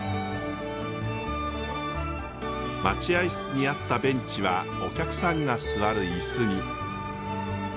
待合室にあったベンチはお客さんが座るイスに。